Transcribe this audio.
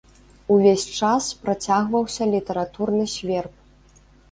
Увесь час працягваўся літаратурны сверб.